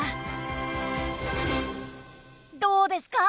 どうですか？